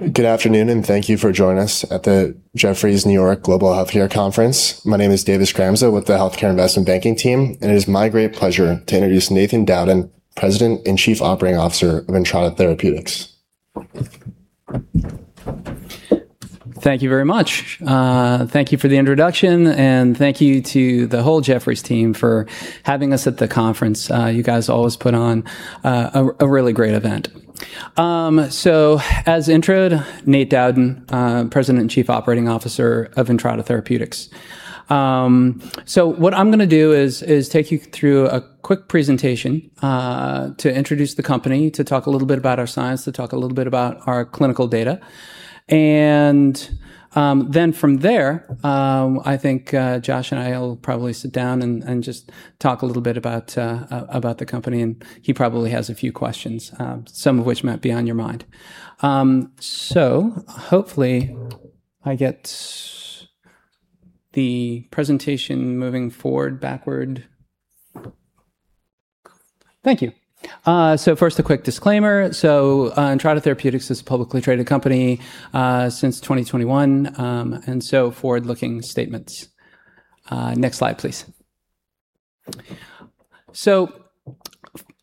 Good afternoon, and thank you for joining us at the Jefferies New York Global Healthcare Conference. My name is Davis Gramza with the healthcare investment banking team. It is my great pleasure to introduce Nathan Dowden, President and Chief Operating Officer of Entrada Therapeutics. Thank you very much. Thank you for the introduction, and thank you to the whole Jefferies team for having us at the conference. You guys always put on a really great event. As introed, Nate Dowden, President and Chief Operating Officer of Entrada Therapeutics. What I'm going to do is take you through a quick presentation to introduce the company, to talk a little bit about our science, to talk a little bit about our clinical data. From there, I think Josh and I will probably sit down and just talk a little bit about the company, and he probably has a few questions, some of which might be on your mind. Hopefully I get the presentation moving forward, backward. Thank you. First, a quick disclaimer. Entrada Therapeutics is a publicly traded company since 2021, forward-looking statements. Next slide, please.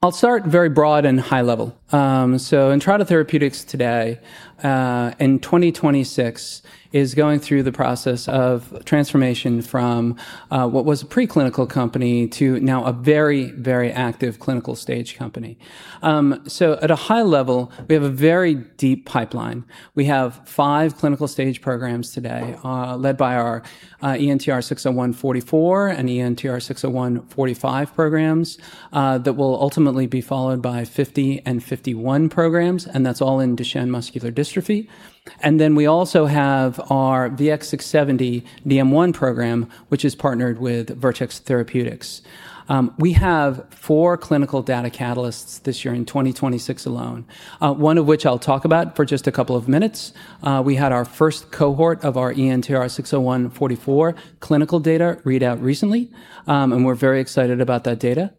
I'll start very broad and high level. Entrada Therapeutics today, in 2026, is going through the process of transformation from what was a preclinical company to now a very, very active clinical stage company. At a high level, we have a very deep pipeline. We have five clinical stage programs today led by our ENTR-601-44 and ENTR-601-45 programs that will ultimately be followed by 50 and 51 programs, and that's all in Duchenne muscular dystrophy. We also have our VX-670 DM1 program, which is partnered with Vertex Pharmaceuticals. We have four clinical data catalysts this year in 2026 alone, one of which I'll talk about for just a couple of minutes. We had our first cohort of our ENTR-601-44 clinical data readout recently, and we're very excited about that data.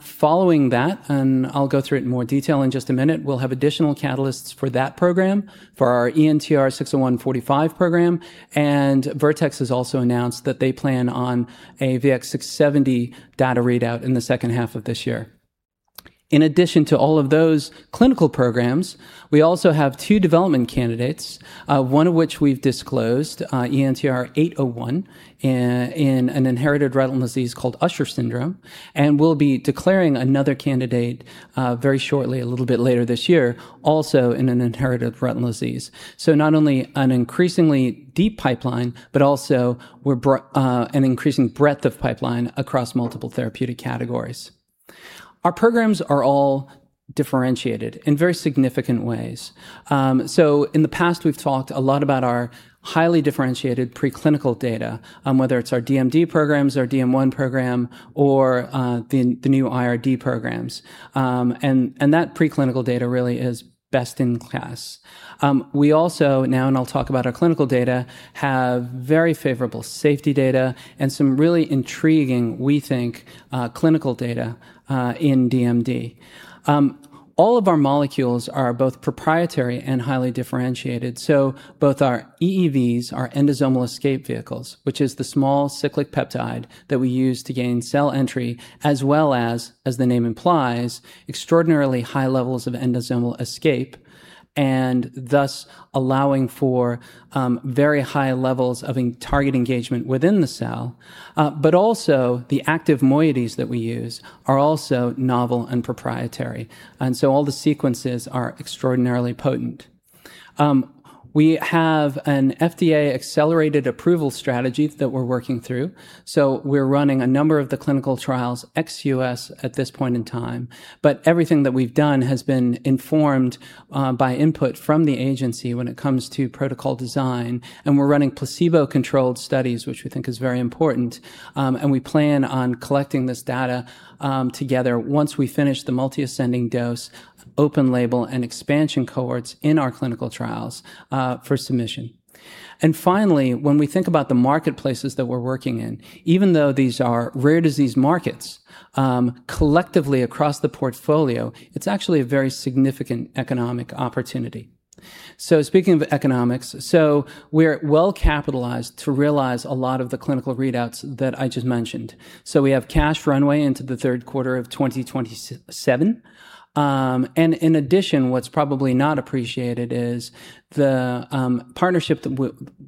Following that, I'll go through it in more detail in just a minute, we'll have additional catalysts for that program, for our ENTR-601-45 program, and Vertex has also announced that they plan on a VX-670 data readout in the second half of this year. In addition to all of those clinical programs, we also have two development candidates, one of which we've disclosed, ENTR-801, in an inherited retinal disease called Usher syndrome, and we'll be declaring another candidate very shortly, a little bit later this year, also in an inherited retinal disease. Not only an increasingly deep pipeline, but also an increasing breadth of pipeline across multiple therapeutic categories. Our programs are all differentiated in very significant ways. In the past, we've talked a lot about our highly differentiated preclinical data, whether it's our DMD programs, our DM1 program, or the new IRD programs. That preclinical data really is best in class. We also now, I'll talk about our clinical data, have very favorable safety data and some really intriguing, we think, clinical data in DMD. All of our molecules are both proprietary and highly differentiated. Both our EEVs, our Endosomal Escape Vehicles, which is the small cyclic peptide that we use to gain cell entry, as well as the name implies, extraordinarily high levels of endosomal escape, and thus allowing for very high levels of target engagement within the cell. Also, the active moieties that we use are also novel and proprietary, all the sequences are extraordinarily potent. We have an FDA Accelerated Approval strategy that we're working through, we're running a number of the clinical trials ex U.S. at this point in time. Everything that we've done has been informed by input from the agency when it comes to protocol design, and we're running placebo-controlled studies, which we think is very important. We plan on collecting this data together once we finish the multi-ascending dose, open label, and expansion cohorts in our clinical trials for submission. Finally, when we think about the marketplaces that we're working in, even though these are rare disease markets, collectively across the portfolio, it's actually a very significant economic opportunity. Speaking of economics, we're well capitalized to realize a lot of the clinical readouts that I just mentioned. We have cash runway into the third quarter of 2027. In addition, what's probably not appreciated is the partnership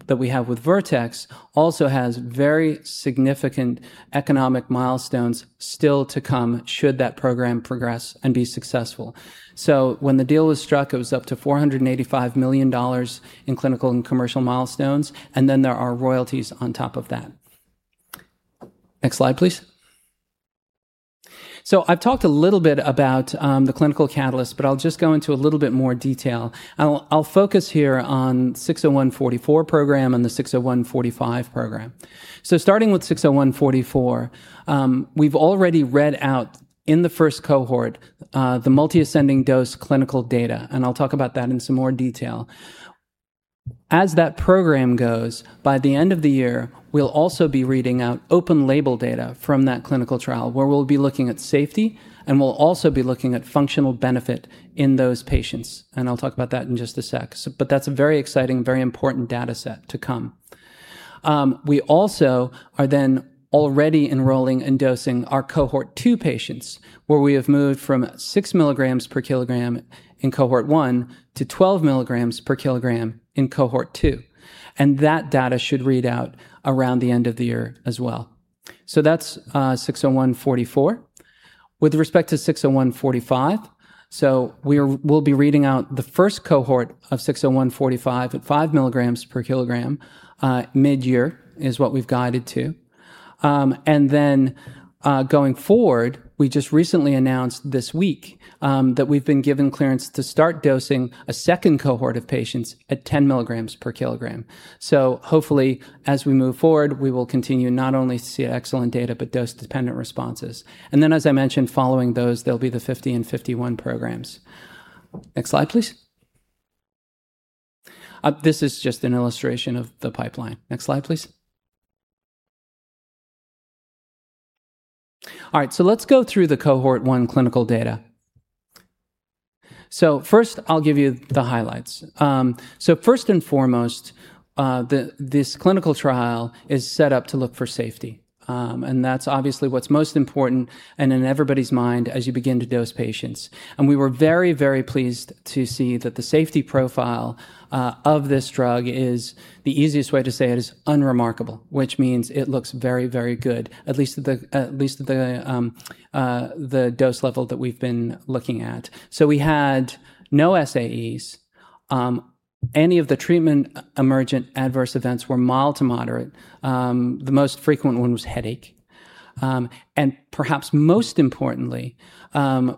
that we have with Vertex also has very significant economic milestones still to come should that program progress and be successful. When the deal was struck, it was up to $485 million in clinical and commercial milestones, and then there are royalties on top of that. Next slide, please. I've talked a little bit about the clinical catalyst, but I'll just go into a little bit more detail, and I'll focus here on ENTR-601-44 program and the ENTR-601-45 program. Starting with ENTR-601-44, we've already read out in the first cohort the Multiple Ascending Dose clinical data, and I'll talk about that in some more detail. As that program goes, by the end of the year, we'll also be reading out open-label data from that clinical trial, where we'll be looking at safety, and we'll also be looking at functional benefit in those patients, and I'll talk about that in just a sec. That's a very exciting, very important data set to come. We also are then already enrolling and dosing our cohort 2 patients, where we have moved from 6 mg per kilogram in cohort 1 to 12 mg per kilogram in cohort 2, and that data should read out around the end of the year as well. That's 601-44. With respect to 601-45, we'll be reading out the first cohort of 601-45 at 5 mg per kilogram midyear, is what we've guided to. Going forward, we just recently announced this week that we've been given clearance to start dosing a second cohort of patients at 10 mg per kilogram. Hopefully, as we move forward, we will continue not only to see excellent data, but dose-dependent responses. Then, as I mentioned, following those, there'll be the 50 and 51 programs. Next slide, please. This is just an illustration of the pipeline. Next slide, please. All right, let's go through the cohort one clinical data. First, I'll give you the highlights. First and foremost, this clinical trial is set up to look for safety, and that's obviously what's most important and in everybody's mind as you begin to dose patients. We were very, very pleased to see that the safety profile of this drug is, the easiest way to say it, is unremarkable, which means it looks very, very good, at least at the dose level that we've been looking at. We had no SAEs. Any of the treatment emergent adverse events were mild to moderate. The most frequent one was headache. Perhaps most importantly,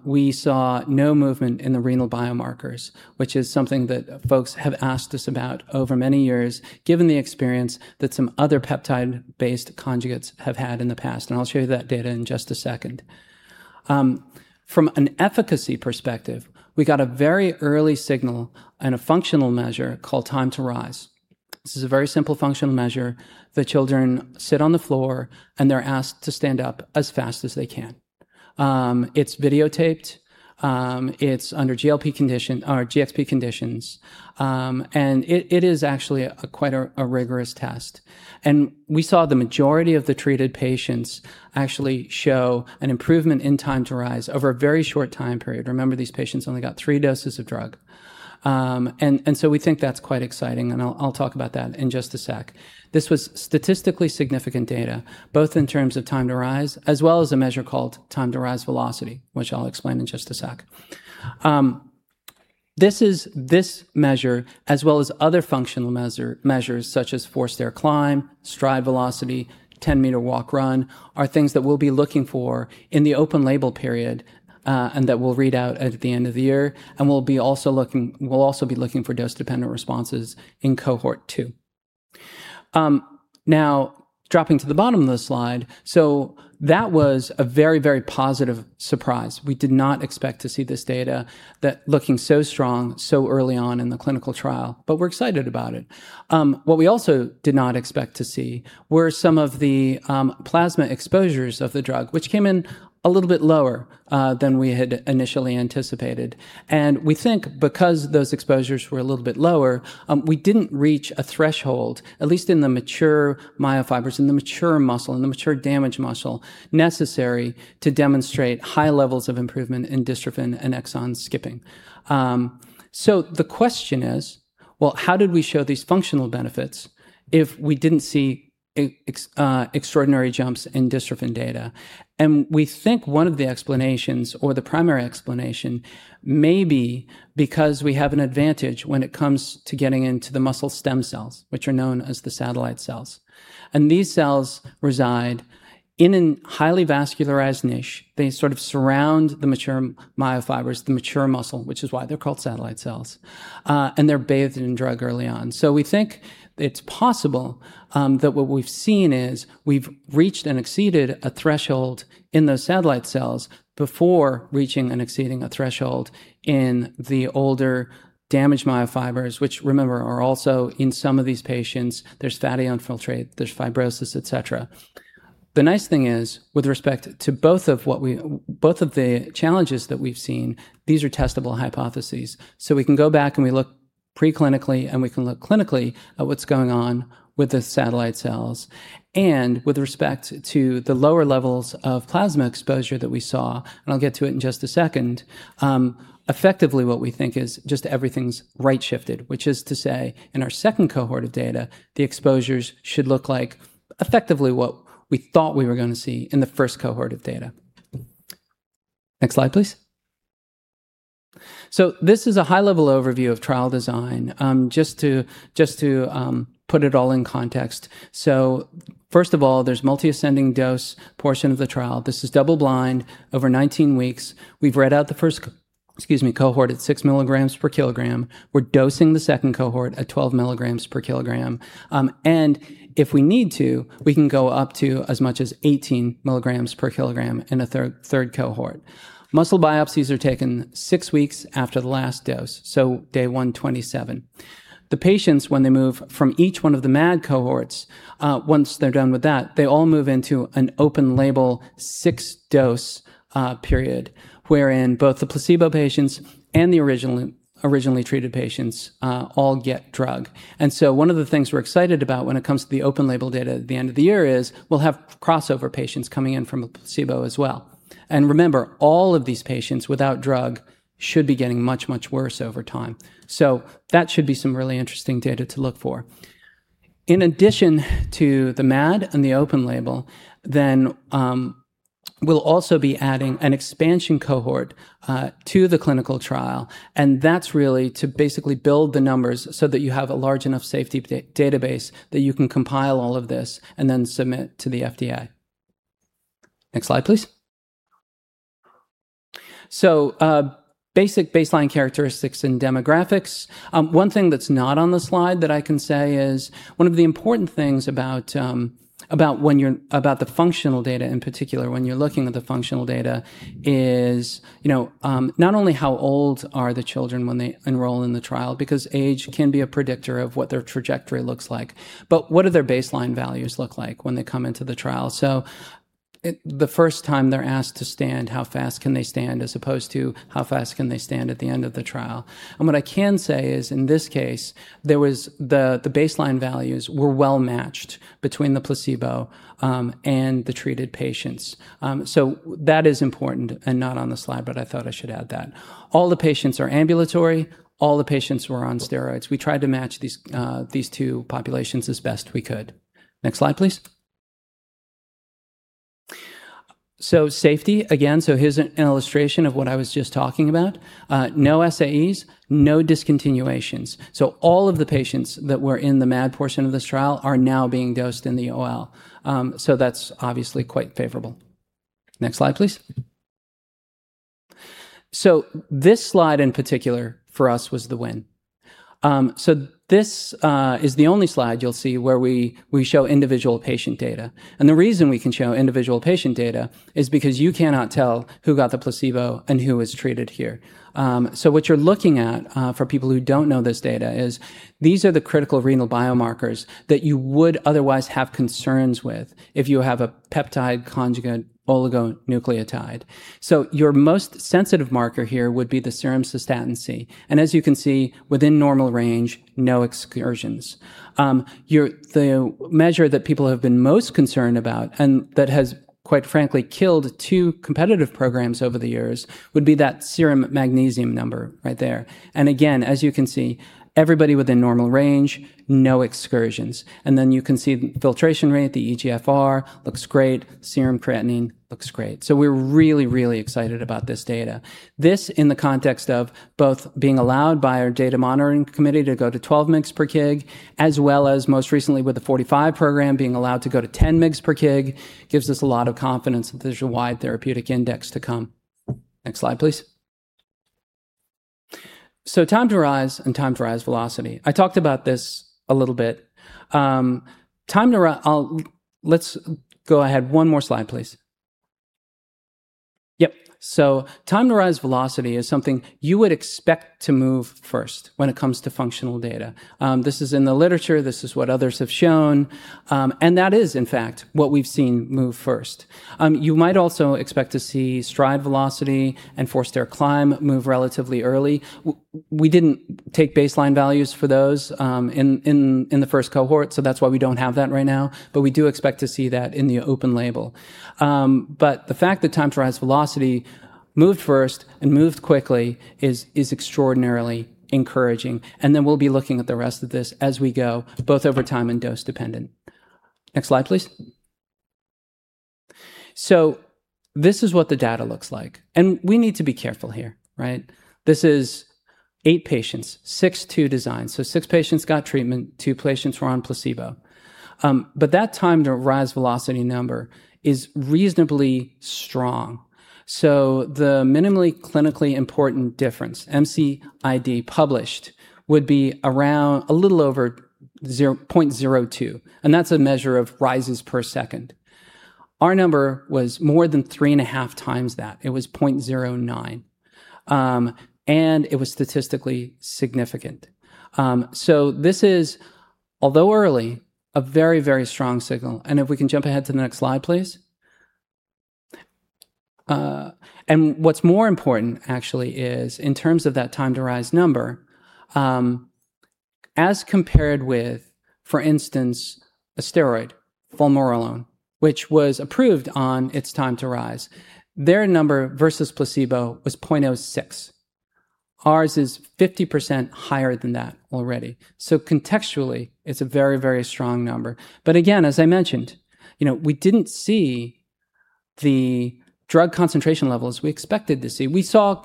we saw no movement in the renal biomarkers, which is something that folks have asked us about over many years, given the experience that some other peptide-based conjugates have had in the past, and I'll show you that data in just a second. From an efficacy perspective, we got a very early signal and a functional measure called time to rise. This is a very simple functional measure. The children sit on the floor, and they're asked to stand up as fast as they can. It's videotaped. It's under GCP conditions. It is actually quite a rigorous test. We saw the majority of the treated patients actually show an improvement in time to rise over a very short time period. Remember, these patients only got three doses of drug. We think that's quite exciting, and I'll talk about that in just a sec. This was statistically significant data, both in terms of time to rise as well as a measure called time to rise velocity, which I'll explain in just a sec. This measure, as well as other functional measures such as four-stair climb, stride velocity, 10-meter walk/run, are things that we'll be looking for in the open label period, and that we'll read out at the end of the year, and we'll also be looking for dose-dependent responses in cohort 2. Dropping to the bottom of the slide. That was a very positive surprise. We did not expect to see this data looking so strong so early on in the clinical trial, but we're excited about it. What we also did not expect to see were some of the plasma exposures of the drug, which came in a little bit lower than we had initially anticipated. We think because those exposures were a little bit lower, we didn't reach a threshold, at least in the mature myofibers, in the mature muscle, in the mature damaged muscle, necessary to demonstrate high levels of improvement in dystrophin and exon skipping. The question is, well, how did we show these functional benefits if we didn't see extraordinary jumps in dystrophin data? We think one of the explanations or the primary explanation may be because we have an advantage when it comes to getting into the muscle stem cells, which are known as the satellite cells. These cells reside in an highly vascularized niche. They sort of surround the mature myofibers, the mature muscle, which is why they're called satellite cells, and they're bathed in drug early on. We think it's possible that what we've seen is we've reached and exceeded a threshold in those satellite cells before reaching and exceeding a threshold in the older damaged myofibers, which remember, are also in some of these patients, there's fatty infiltrate, there's fibrosis, et cetera. The nice thing is, with respect to both of the challenges that we've seen, these are testable hypotheses. We can go back and we look preclinically and we can look clinically at what's going on with the satellite cells. With respect to the lower levels of plasma exposure that we saw, and I'll get to it in just a second, effectively what we think is just everything's right shifted, which is to say, in our second cohort of data, the exposures should look like effectively what we thought we were going to see in the first cohort of data. Next slide, please. This is a high-level overview of trial design, just to put it all in context. First of all, there's Multiple Ascending Dose portion of the trial. This is double blind over 19 weeks. We've read out the first cohort at 6 mg per kilogram. We're dosing the second cohort at 12 mg per kilogram. If we need to, we can go up to as much as 18 mg per kilogram in a third cohort. Muscle biopsies are taken six weeks after the last dose, so day 127. The patients, when they move from each one of the MAD cohorts, once they're done with that, they all move into an open label six-dose period, wherein both the placebo patients and the originally treated patients all get drug. One of the things we're excited about when it comes to the open label data at the end of the year is we'll have crossover patients coming in from a placebo as well. Remember, all of these patients without drug should be getting much, much worse over time. That should be some really interesting data to look for. In addition to the MAD and the open label, then we'll also be adding an expansion cohort to the clinical trial, and that's really to basically build the numbers so that you have a large enough safety database that you can compile all of this and then submit to the FDA. Next slide, please. Basic baseline characteristics and demographics. One thing that's not on the slide that I can say is one of the important things about the functional data, in particular, when you're looking at the functional data is not only how old are the children when they enroll in the trial, because age can be a predictor of what their trajectory looks like, but what do their baseline values look like when they come into the trial? The first time they're asked to stand, how fast can they stand as opposed to how fast can they stand at the end of the trial? What I can say is, in this case, the baseline values were well-matched between the placebo and the treated patients. That is important and not on the slide, but I thought I should add that. All the patients are ambulatory. All the patients were on steroids. We tried to match these two populations as best we could. Next slide, please. Safety, again, here's an illustration of what I was just talking about. No SAEs, no discontinuations. All of the patients that were in the MAD portion of this trial are now being dosed in the OL. That's obviously quite favorable. Next slide, please. This slide in particular for us was the win. This is the only slide you'll see where we show individual patient data. The reason we can show individual patient data is because you cannot tell who got the placebo and who was treated here. What you're looking at, for people who don't know this data, is these are the critical renal biomarkers that you would otherwise have concerns with if you have a peptide conjugate oligonucleotide. As you can see, within normal range, no excursions. The measure that people have been most concerned about, and that has quite frankly killed two competitive programs over the years, would be that serum magnesium number right there. Again, as you can see, everybody within normal range, no excursions. You can see the filtration rate, the eGFR looks great. Serum creatinine looks great. We're really, really excited about this data. This, in the context of both being allowed by our data monitoring committee to go to 12 mg per kg, as well as most recently with the 45 program being allowed to go to 10 mg per kg, gives us a lot of confidence that there's a wide therapeutic index to come. Next slide, please. Time to rise and time to rise velocity. I talked about this a little bit. Let's go ahead one more slide, please. Yep. Time to rise velocity is something you would expect to move first when it comes to functional data. This is in the literature, this is what others have shown. That is, in fact, what we've seen move first. You might also expect to see stride velocity and four-stair climb move relatively early. We didn't take baseline values for those in the first cohort, so that's why we don't have that right now. We do expect to see that in the open label. The fact that time to rise velocity moved first and moved quickly is extraordinarily encouraging. We'll be looking at the rest of this as we go, both over time and dose-dependent. Next slide, please. This is what the data looks like. We need to be careful here, right? This is eight patients, six, two design. Six patients got treatment, two patients were on placebo. That time to rise velocity number is reasonably strong. The minimally clinically important difference, MCID published would be a little over 0.02, and that's a measure of rises per second. Our number was more than three and a half times that. It was 0.09. It was statistically significant. This is, although early, a very, very strong signal. If we can jump ahead to the next slide, please. What's more important actually is in terms of that time to rise number, as compared with, for instance, a steroid, vamorolone, which was approved on its time to rise. Their number versus placebo was 0.06. Ours is 50% higher than that already. Contextually, it's a very, very strong number. Again, as I mentioned, we didn't see the drug concentration levels we expected to see, we saw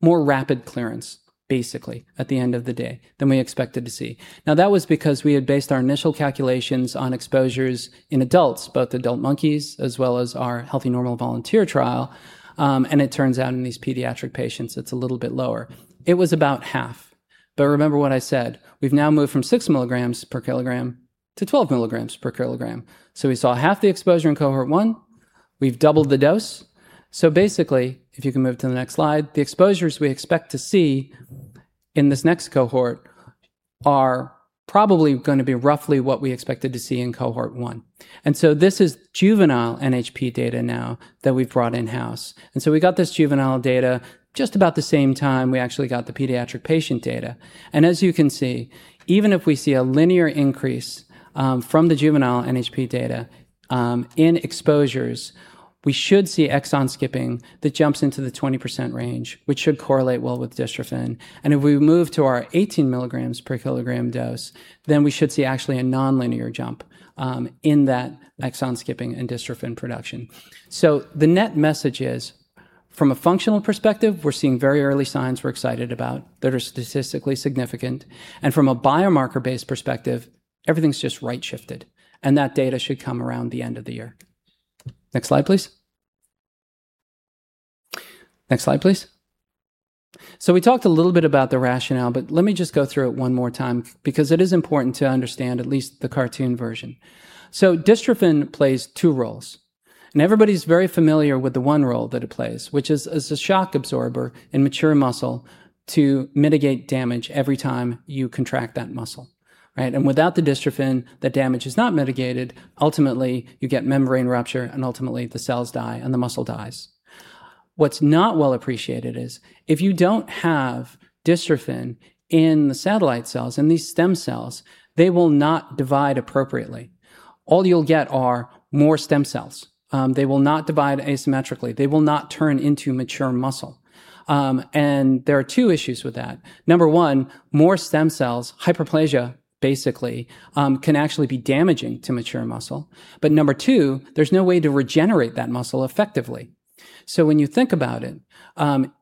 more rapid clearance basically at the end of the day than we expected to see. Now, that was because we had based our initial calculations on exposures in adults, both adult monkeys as well as our healthy normal volunteer trial, and it turns out in these pediatric patients it's a little bit lower. It was about half. Remember what I said, we've now moved from 6 mg per kilogram to 12 mg per kilogram. We saw half the exposure in cohort 1. We've doubled the dose. Basically, if you can move to the next slide, the exposures we expect to see in this next cohort are probably going to be roughly what we expected to see in cohort 1. This is juvenile NHP data now that we've brought in-house. We got this juvenile data just about the same time we actually got the pediatric patient data. As you can see, even if we see a linear increase from the juvenile NHP data in exposures, we should see exon skipping that jumps into the 20% range, which should correlate well with dystrophin. If we move to our 18 mg per kilogram dose, we should see actually a nonlinear jump in that exon skipping and dystrophin production. The net message is, from a functional perspective, we're seeing very early signs we're excited about that are statistically significant. From a biomarker-based perspective, everything's just right-shifted, and that data should come around the end of the year. Next slide, please. Next slide, please. We talked a little bit about the rationale, let me just go through it one more time because it is important to understand at least the cartoon version. Dystrophin plays two roles, everybody's very familiar with the one role that it plays, which is as a shock absorber in mature muscle to mitigate damage every time you contract that muscle. Right. Without the dystrophin, that damage is not mitigated. Ultimately, you get membrane rupture and ultimately the cells die and the muscle dies. What's not well appreciated is if you don't have dystrophin in the satellite cells, in these stem cells, they will not divide appropriately. All you'll get are more stem cells. They will not divide asymmetrically. They will not turn into mature muscle. There are two issues with that. Number one, more stem cells, hyperplasia basically, can actually be damaging to mature muscle. Number two, there's no way to regenerate that muscle effectively. When you think about it,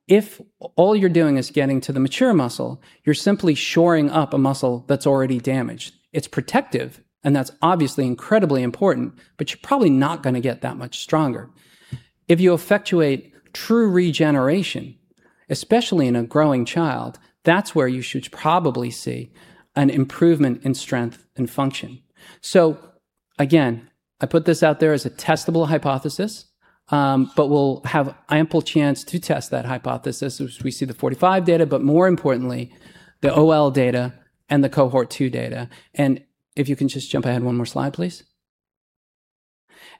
if all you're doing is getting to the mature muscle, you're simply shoring up a muscle that's already damaged. It's protective, and that's obviously incredibly important, but you're probably not going to get that much stronger. If you effectuate true regeneration, especially in a growing child, that's where you should probably see an improvement in strength and function. Again, I put this out there as a testable hypothesis, but we'll have ample chance to test that hypothesis once we see the 45 data, but more importantly, the OL data and the cohort 2 data. If you can just jump ahead one more slide, please.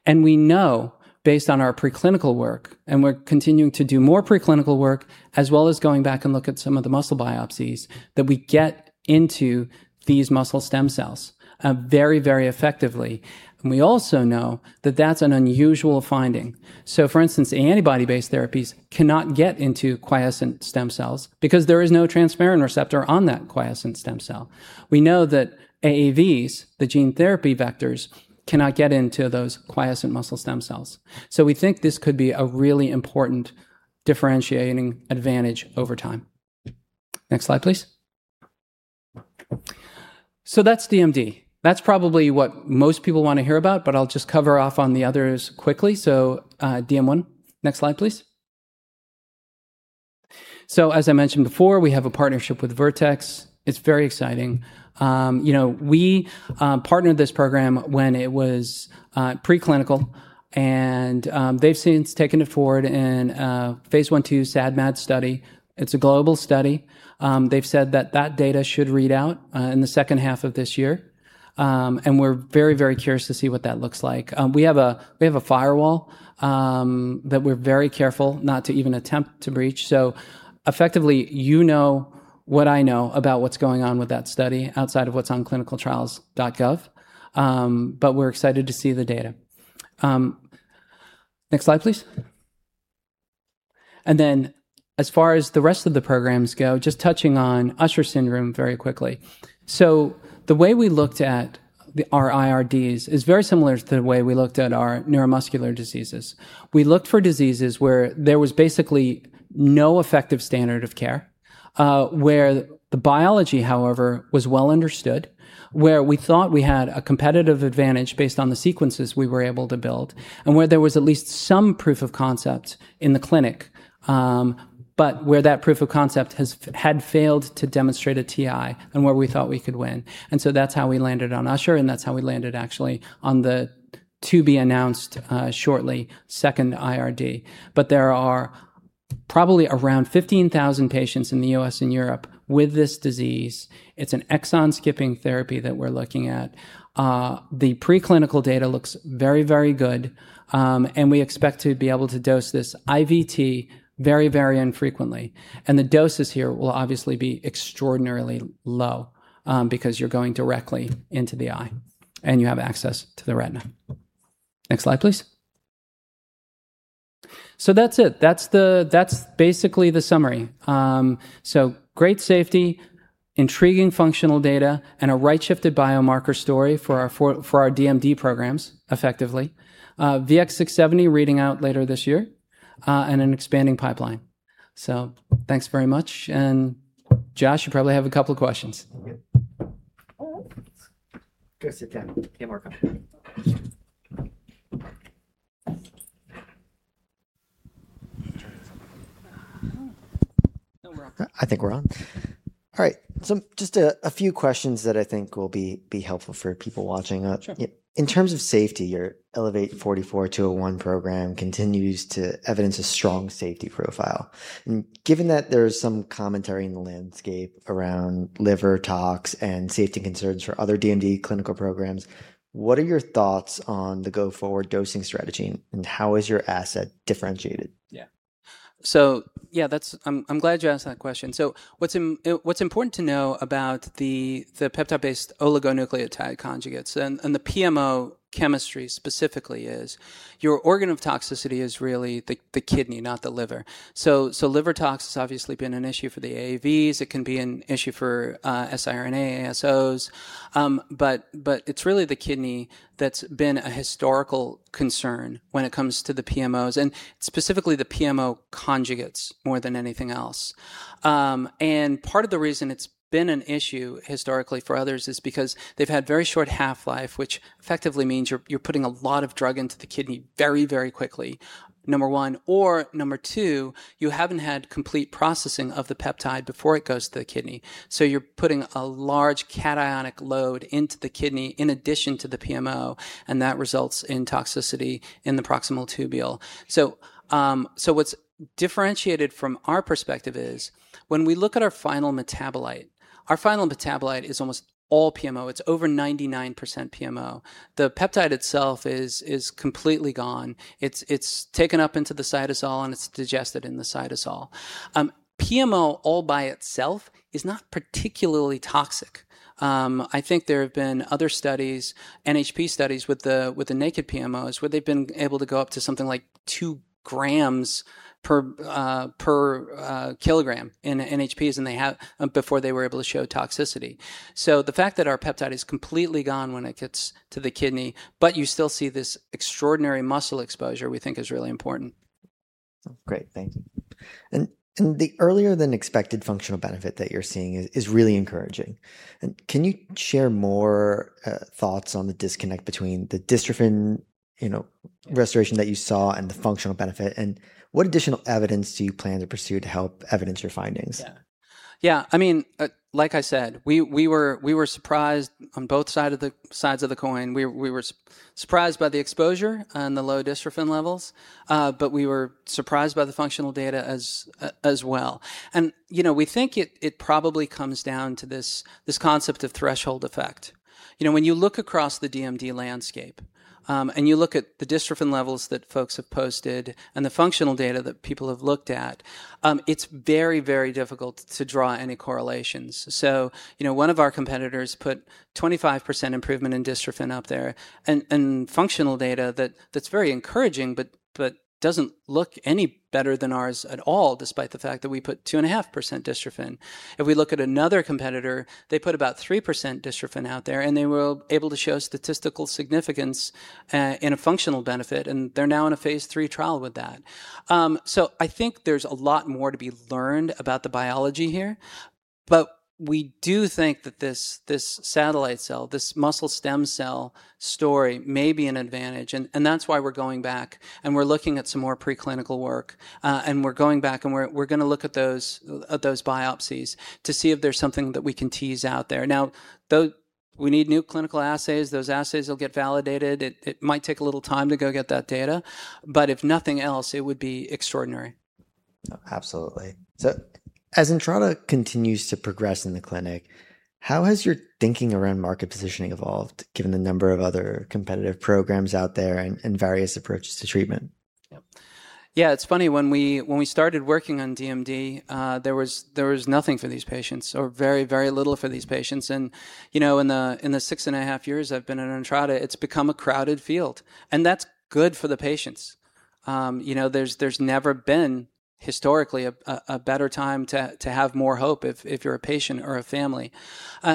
We know based on our preclinical work, and we're continuing to do more preclinical work as well as going back and look at some of the muscle biopsies, that we get into these muscle stem cells very, very effectively. We also know that that's an unusual finding. For instance, antibody-based therapies cannot get into quiescent stem cells because there is no transferrin receptor on that quiescent stem cell. We know that AAVs, the gene therapy vectors, cannot get into those quiescent muscle stem cells. We think this could be a really important differentiating advantage over time. Next slide, please. That's DMD. That's probably what most people want to hear about, but I'll just cover off on the others quickly. DM1. Next slide, please. As I mentioned before, we have a partnership with Vertex. It's very exciting. We partnered this program when it was preclinical, and they've since taken it forward in a phase I/II SAD MAD study. It's a global study. They've said that that data should read out in the second half of this year. We're very curious to see what that looks like. We have a firewall that we're very careful not to even attempt to breach. Effectively, you know what I know about what's going on with that study outside of what's on ClinicalTrials.gov, we're excited to see the data. Next slide, please. As far as the rest of the programs go, just touching on Usher syndrome very quickly. The way we looked at our IRDs is very similar to the way we looked at our neuromuscular diseases. We looked for diseases where there was basically no effective standard of care, where the biology, however, was well understood, where we thought we had a competitive advantage based on the sequences we were able to build, and where there was at least some proof of concept in the clinic but where that proof of concept had failed to demonstrate a TI and where we thought we could win. That's how we landed on Usher, and that's how we landed actually on the to-be-announced-shortly second IRD. There are probably around 15,000 patients in the U.S. and Europe with this disease. It's an exon skipping therapy that we're looking at. The preclinical data looks very, very good, and we expect to be able to dose this IVT very, very infrequently. The doses here will obviously be extraordinarily low because you're going directly into the eye, and you have access to the retina. Next slide, please. That's it. That's basically the summary. Great safety, intriguing functional data, and a right-shifted biomarker story for our DMD programs, effectively. VX-670 reading out later this year, and an expanding pipeline. Thanks very much, and Josh, you probably have a couple of questions. All right. Just a few questions that I think will be helpful for people watching. In terms of safety, your ELEVATE-44-201 program continues to evidence a strong safety profile. Given that there's some commentary in the landscape around liver tox and safety concerns for other DMD clinical programs, what are your thoughts on the go-forward dosing strategy, and how is your asset differentiated? Yeah. Yeah, I'm glad you asked that question. What's important to know about the peptide-based oligonucleotide conjugates and the PMO chemistry specifically is your organ of toxicity is really the kidney, not the liver. Liver tox has obviously been an issue for the AAVs. It can be an issue for siRNA, ASOs. It's really the kidney that's been a historical concern when it comes to the PMOs, and specifically the PMO conjugates more than anything else. Part of the reason it's been an issue historically for others is because they've had very short half-life, which effectively means you're putting a lot of drug into the kidney very, very quickly, number one. Number two, you haven't had complete processing of the peptide before it goes to the kidney. You're putting a large cationic load into the kidney in addition to the PMO, and that results in toxicity in the proximal tubule. What's differentiated from our perspective is when we look at our final metabolite, our final metabolite is almost all PMO. It's over 99% PMO. The peptide itself is completely gone. It's taken up into the cytosol, and it's digested in the cytosol. PMO all by itself is not particularly toxic. I think there have been other studies, NHP studies with the naked PMOs, where they've been able to go up to something like 2 grams per kilogram in NHPs before they were able to show toxicity. The fact that our peptide is completely gone when it gets to the kidney, but you still see this extraordinary muscle exposure, we think is really important. Great, thank you. The earlier than expected functional benefit that you're seeing is really encouraging. Can you share more thoughts on the disconnect between the dystrophin restoration that you saw and the functional benefit, and what additional evidence do you plan to pursue to help evidence your findings? Yeah. Like I said, we were surprised on both sides of the coin. We were surprised by the exposure and the low dystrophin levels, but we were surprised by the functional data as well. We think it probably comes down to this concept of threshold effect. When you look across the DMD landscape, and you look at the dystrophin levels that folks have posted and the functional data that people have looked at, it's very, very difficult to draw any correlations. One of our competitors put 25% improvement in dystrophin up there and functional data that's very encouraging but doesn't look any better than ours at all, despite the fact that we put 2.5% dystrophin. If we look at another competitor, they put about 3% dystrophin out there, and they were able to show statistical significance in a functional benefit, and they're now in a phase III trial with that. I think there's a lot more to be learned about the biology here, but we do think that this satellite cell, this muscle stem cell story may be an advantage, and that's why we're going back and we're looking at some more pre-clinical work. We're going back and we're going to look at those biopsies to see if there's something that we can tease out there. Now, we need new clinical assays. Those assays will get validated. It might take a little time to go get that data. If nothing else, it would be extraordinary. Absolutely. As Entrada continues to progress in the clinic, how has your thinking around market positioning evolved given the number of other competitive programs out there and various approaches to treatment? Yeah. It's funny, when we started working on DMD, there was nothing for these patients or very, very little for these patients. In the 6.5 years I've been at Entrada, it's become a crowded field, and that's good for the patients. There's never been historically a better time to have more hope if you're a patient or a family.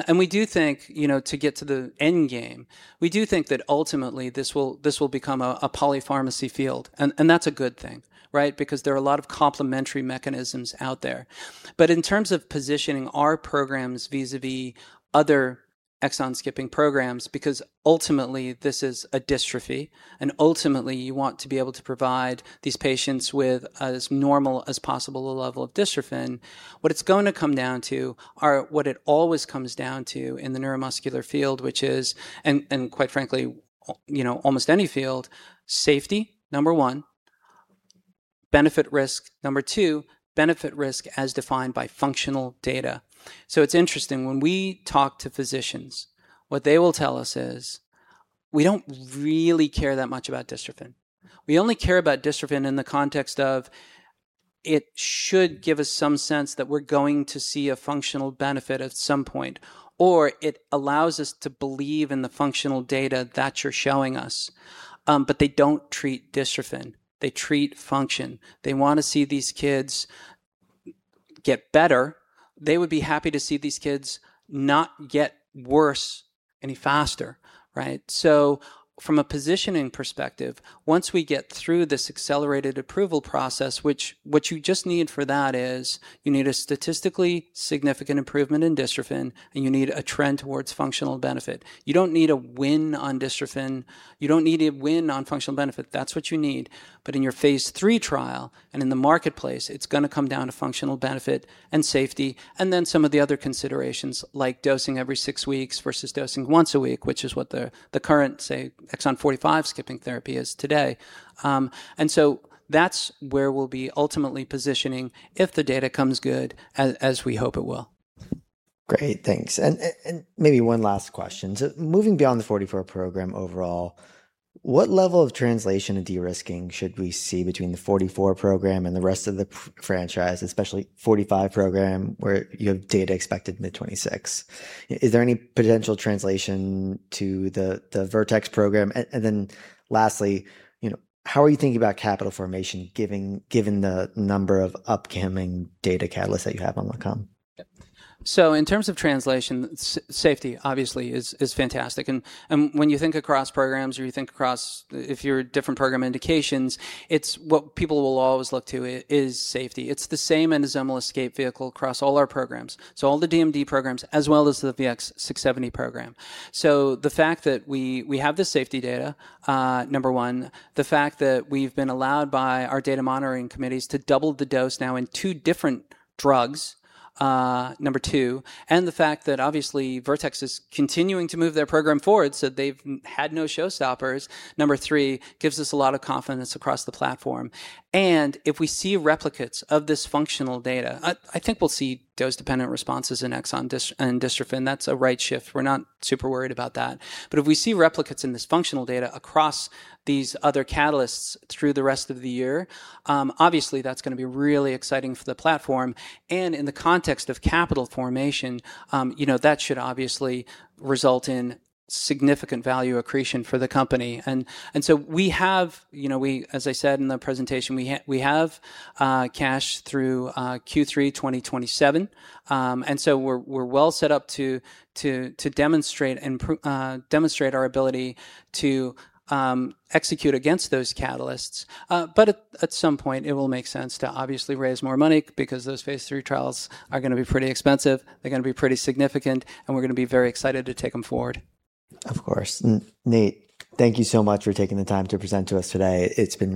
We do think to get to the end game, we do think that ultimately this will become a polypharmacy field, and that's a good thing, right? Because there are a lot of complementary mechanisms out there. In terms of positioning our programs vis-à-vis other exon-skipping programs, because ultimately this is a dystrophy, and ultimately you want to be able to provide these patients with as normal as possible a level of dystrophin. What it's going to come down to are what it always comes down to in the neuromuscular field, which is, and quite frankly almost any field, safety, number one. Benefit risk, number two. Benefit risk as defined by functional data. It's interesting, when we talk to physicians, what they will tell us is, "We don't really care that much about dystrophin. We only care about dystrophin in the context of it should give us some sense that we're going to see a functional benefit at some point, or it allows us to believe in the functional data that you're showing us. They don't treat dystrophin, they treat function. They want to see these kids get better. They would be happy to see these kids not get worse any faster. Right? From a positioning perspective, once we get through this Accelerated Approval Program, which what you just need for that is you need a statistically significant improvement in dystrophin, and you need a trend towards functional benefit. You don't need a win on dystrophin. You don't need a win on functional benefit. That's what you need. In your phase III trial and in the marketplace, it's going to come down to functional benefit and safety and then some of the other considerations like dosing every six weeks versus dosing once a week, which is what the current, say, exon 45 skipping therapy is today. That's where we'll be ultimately positioning if the data comes good, as we hope it will. Great. Thanks. Maybe one last question. Moving beyond the 44 program overall, what level of translation and de-risking should we see between the 44 program and the rest of the franchise, especially 45 program, where you have data expected mid 2026? Is there any potential translation to the Vertex program? Then lastly, how are you thinking about capital formation given the number of upcoming data catalysts that you have on the come? In terms of translation, safety obviously is fantastic. When you think across programs or you think across if your different program indications, it's what people will always look to is safety. It's the same Endosomal Escape Vehicle across all our programs. All the DMD programs as well as the VX-670 program. The fact that we have the safety data, number one, the fact that we've been allowed by our data monitoring committees to double the dose now in two different drugs, number two, and the fact that obviously Vertex is continuing to move their program forward, so they've had no showstoppers, number three, gives us a lot of confidence across the platform. If we see replicates of this functional data, I think we'll see dose-dependent responses in exon and dystrophin. That's a right shift. We're not super worried about that. If we see replicates in this functional data across these other catalysts through the rest of the year, obviously that's going to be really exciting for the platform. In the context of capital formation, that should obviously result in significant value accretion for the company. So we have, as I said in the presentation, we have cash through Q3 2027, and so we're well set up to demonstrate our ability to execute against those catalysts. At some point it will make sense to obviously raise more money because those phase III trials are going to be pretty expensive, they're going to be pretty significant, and we're going to be very excited to take them forward. Of course. Nate, thank you so much for taking the time to present to us today.